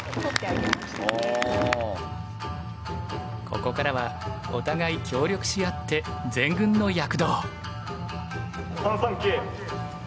ここからはお互い協力し合って全軍の躍動。